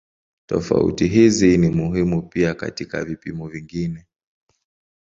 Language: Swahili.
Tofauti hizi ni muhimu pia katika vipimo vingine.